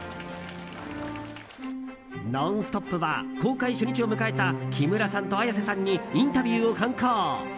「ノンストップ！」は公開初日を迎えた木村さんと綾瀬さんにインタビューを敢行。